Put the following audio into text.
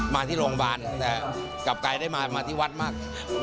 มาที่โรงพยาบาลแต่กลับกลายได้มาที่วัดมาก